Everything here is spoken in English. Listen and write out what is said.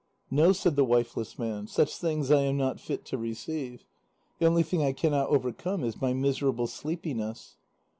"No," said the wifeless man; "such things I am not fit to receive; the only thing I cannot overcome is my miserable sleepiness."